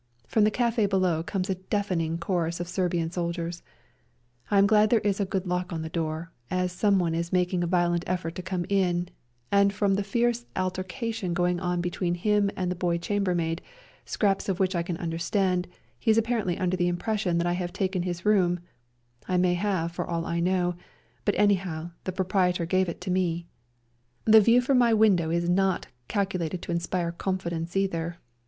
From the cafe below comes a deafening chorus of Serbian soldiers. I am glad there is a good lock on the door, as someone is making a violent effort to come in, and from the fierce altercation going on be tween him and the boy chambermaid, scraps of which I can understand, he is apparently under the impression that I have taken his room — I may have for all I know, but anyhow the proprietor gave it to me. I REJOINING THE SERBIANS 9 " The view from my window is not calculated to inspire confidence either.